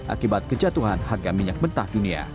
akibat kejatuhan harga minyak mentah dunia